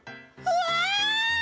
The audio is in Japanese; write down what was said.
うわ！